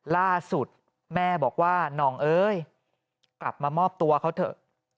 ล่าสุดแม่บอกว่านองเอ้ยกลับมามอบตัวเขาเถอะ